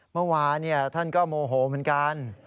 เมื่อวานท่านก็โมโหเหมือนกัน